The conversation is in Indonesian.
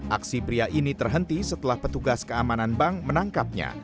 aksi pria ini terhenti setelah petugas keamanan bank menangkapnya